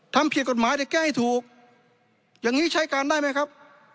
ทำผิดกฎหมายเดี๋ยวแก้ให้ถูกอย่างนี้ใช้การได้ไหมครับ